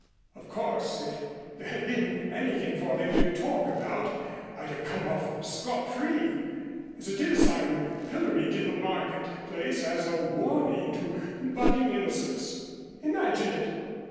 Of course, if there had been anything for them to talk about, I'd have come off scot free. As it is I'm pilloried in the market place as a warning to budding innocence! Imagine it!